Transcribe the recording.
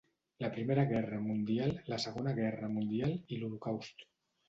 La Primera Guerra Mundial, la Segona Guerra Mundial, i l'Holocaust.